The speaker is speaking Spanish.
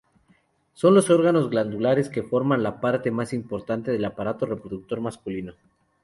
Son los órganos glandulares que forman la parte más importante del aparato reproductor masculino.